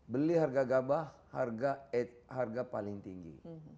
beli harga gabah harga paling tinggi